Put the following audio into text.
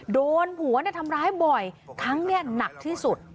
โดนผัวทำร้ายบ่อยครั้งเนี่ยหนักที่สุด